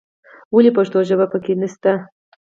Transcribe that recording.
ولې پښتو ژبه په کې نه شته.